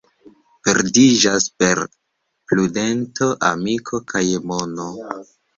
Perdiĝas per pruntedono amiko kaj mono.